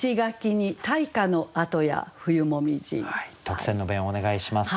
特選の弁をお願いします。